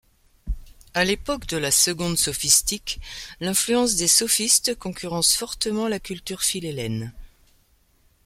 À l’époque de la Seconde Sophistique, l’influence des sophistes concurrence fortement la culture philhellène.